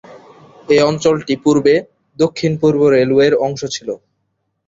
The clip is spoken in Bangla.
এই অঞ্চলটি পূর্বে দক্ষিণ পূর্ব রেলওয়ের অংশ ছিল।